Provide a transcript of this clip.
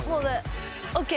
ＯＫ！